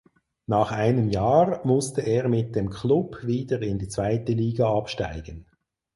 Nach einem Jahr musste er mit dem Klub wieder in die zweite Liga absteigen.